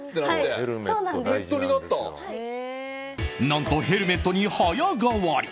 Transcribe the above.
何と、ヘルメットに早変わり。